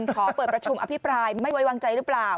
ขอเปิดประชุมอภิปรายไม่ไว้วางใจหรือเปล่า